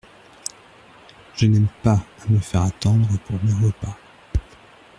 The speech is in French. Je n’aime pas à me faire attendre pour mes repas.